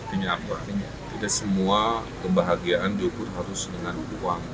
ini apa tidak semua kebahagiaan diukur harus dengan uang